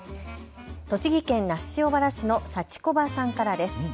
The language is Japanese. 栃木県那須塩原市のさちこばさんからです。